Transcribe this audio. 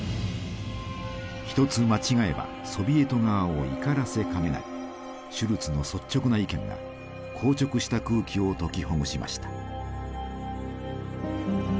一つ間違えばソビエト側を怒らせかねないシュルツの率直な意見が硬直した空気を解きほぐしました。